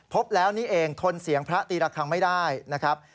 พบแล้วนี่เองทนเสียงพระตีระคังไม่ได้นะครับ